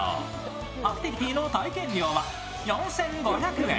アクティビティーの体験料は４５００円。